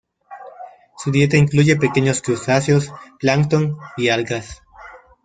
Su dieta incluye pequeños crustáceos, plancton, y algas.